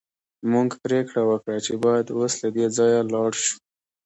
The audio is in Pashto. موږ پریکړه وکړه چې باید اوس له دې ځایه لاړ شو